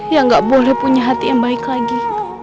ya gak boleh punya hati yang baik lagi